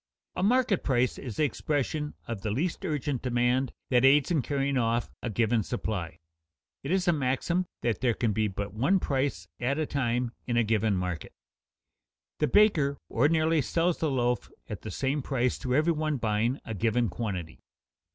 A market price is the expression of the least urgent demand that aids in carrying off a given supply. It is a maxim that there can be but one price at a time in a given market. The baker ordinarily sells the loaf at the same price to every one buying a given quantity.